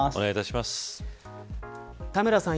田村さん